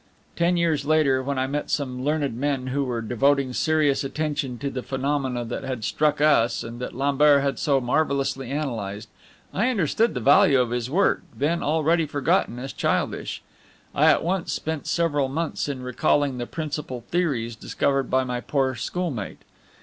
Ten years later, when I met some learned men who were devoting serious attention to the phenomena that had struck us and that Lambert had so marvelously analyzed, I understood the value of his work, then already forgotten as childish. I at once spent several months in recalling the principal theories discovered by my poor schoolmate.